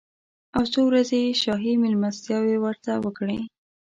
او څو ورځې یې شاهي مېلمستیاوې ورته وکړې.